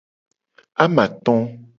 Amato.